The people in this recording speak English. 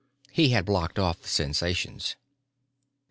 He had blocked off the sensations.